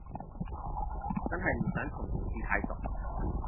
真係唔想同同事太熟